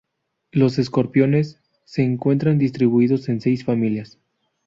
Los escorpiones se encuentran distribuidos en seis familias.